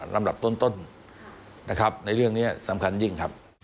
ลำดับต้นในเรื่องนี้สำคัญจริง